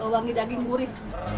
wangi daging gurih